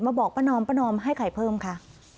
บอกป้านอมป้านอมให้ไข่เพิ่มค่ะ